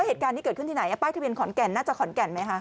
เหตุการณ์นี้เกิดขึ้นที่ไหนป้ายทะเบียนขอนแก่นน่าจะขอนแก่นไหมคะ